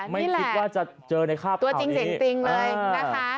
ไม่คิดว่าจะเจอในภาพคราวนี้ตัวจริงเลยนะคะ